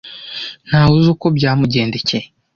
Ntawe uzi uko byamugendekeye.